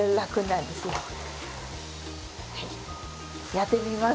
やってみます？